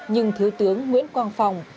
nhưng thứ tướng nguyễn quang phòng